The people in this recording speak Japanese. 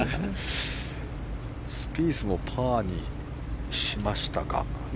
スピースもパーにしましたか。